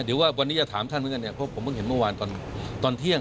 เดี๋ยวว่าวันนี้จะถามท่านเหมือนกันเนี่ยเพราะผมเพิ่งเห็นเมื่อวานตอนเที่ยง